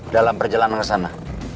dalam perjalanan ke sana